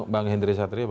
yang hendri satria